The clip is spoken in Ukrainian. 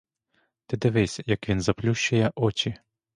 Ти дивись, як він заплющує очі!